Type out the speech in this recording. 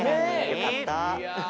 よかった！